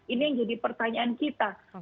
ini yang jadi pertanyaan kita